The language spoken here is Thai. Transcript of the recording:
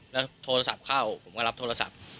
แล้วโทรศัพท์เข้าผมก็รับโทรศัพท์